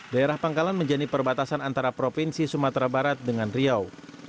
daerah pangkalan menjadi perbatasan antara provinsi sumatera barat dengan riau